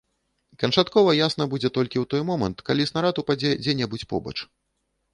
Канчаткова ясна будзе толькі ў той момант, калі снарад упадзе дзе-небудзь побач.